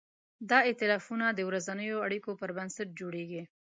دا ایتلافونه د ورځنیو اړیکو پر بنسټ جوړېږي.